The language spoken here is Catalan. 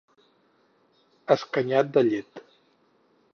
Escanyat de llet.